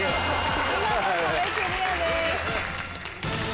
見事壁クリアです。